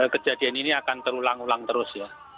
kejadian ini akan terulang ulang terus ya